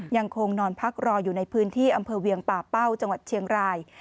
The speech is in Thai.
ยังคงนอนพักรออยู่ในพื้นที่อำเภอเวียงป่าเป้าจังหวัดเชียงราย